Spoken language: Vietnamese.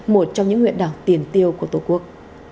một trong những huyện đảo tiền tiêu của tổ quốc